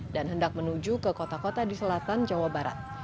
dan hendak menuju ke kota kota di selatan jawa barat